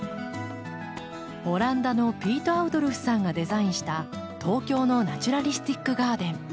オランダのピート・アウドルフさんがデザインした東京のナチュラリスティックガーデン。